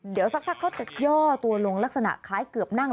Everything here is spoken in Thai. เดี๋ยวสักพักเขาจะย่อตัวลงลักษณะคล้ายเกือบนั่ง